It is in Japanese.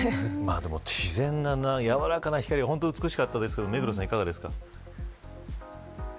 でも自然なやわらかな光が美しかったですが目黒さん、いかがですか。